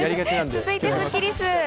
続いてスッキりす。